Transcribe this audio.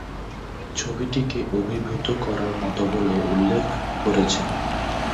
ছবিটিকে অভিভূত করার মত বলে উল্লেখ করেছেন।